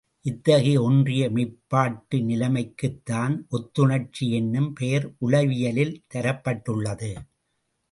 இத்தகைய ஒன்றிய மெய்ப்பாட்டு நிலைமைக்குத் தான் ஒத்துணர்ச்சி என்னும் பெயர் உளவியலில் தரப்பட்டுள்ளது.